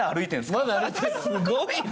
すごいな。